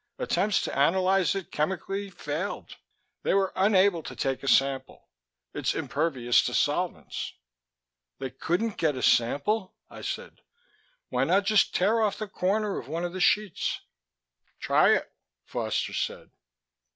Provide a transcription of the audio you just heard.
Attempts to analyze it chemically failed they were unable to take a sample. It's impervious to solvents " "They couldn't get a sample?" I said. "Why not just tear off the corner of one of the sheets?" "Try it," Foster said.